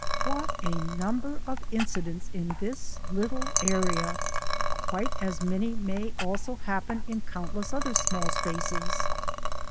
What a number of incidents in this little area! Quite as many may also happen in countless other small spaces.